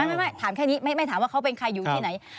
ไม่ถามแค่นี้ไม่ถามว่าเขาเป็นใครอยู่ที่ไหน